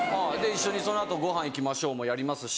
「一緒にその後ごはん行きましょう」もやりますし。